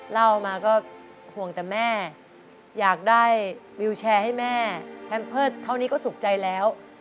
เล่ามาก็ห่วงแต่แม่อยากได้วิวแชร์ให้แม่แพมเพิร์ตเท่านี้ก็สุขใจแล้ว